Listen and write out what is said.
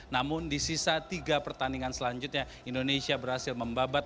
namun di sisa tiga pertandingan selanjutnya indonesia berhasil membabat